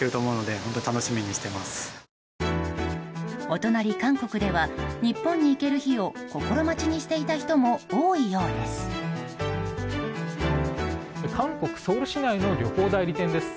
お隣、韓国では日本に行ける日を心待ちにしていた人も多いようです。